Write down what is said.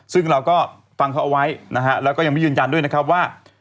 ซึ่งเราก็ฟังเขาเอาไว้นะฮะแล้วก็ยังไม่ยืนยันด้วยนะครับว่า